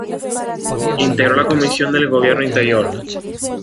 Integró la Comisión de Gobierno Interior.